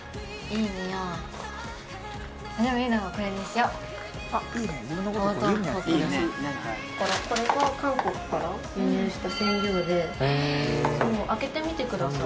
これも韓国から輸入した染料で開けてみてください